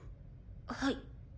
はい。